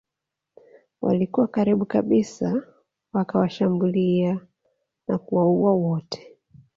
Walikuwa karibu kabisa wakawashambulia na kuwaua wote